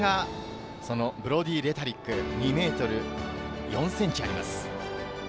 ブロディ・レタリック、２ｍ４ｃｍあります。